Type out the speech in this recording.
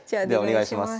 お願いします。